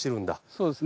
そうですね。